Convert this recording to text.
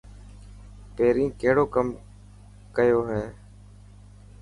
پهرين ڪڙو ڪم ڪيو هو.